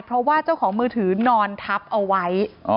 เพราะว่าเจ้าของมือถือนอนทับเอาไว้